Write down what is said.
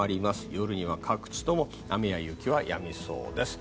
夜には各地とも雨や雪はやみそうです。